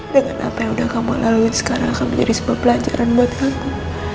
dengan apa yang sudah kamu laluin sekarang akan menjadi sebuah pelajaran buat kamu